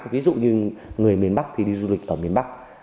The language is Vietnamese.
ví dụ như người miền bắc thì đi du lịch ở miền bắc